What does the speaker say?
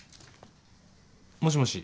もしもし。